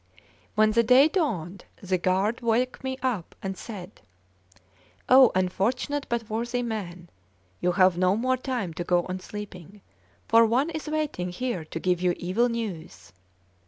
CXVI WHEN the day dawned, the guard woke me up and said: "Oh, unfortunate but worthy man, you have no more time to go on sleeping, for one is waiting here to give you evil news."